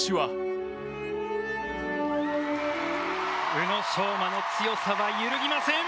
宇野昌磨の強さは揺るぎません！